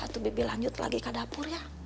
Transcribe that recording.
itu bibi lanjut lagi ke dapur ya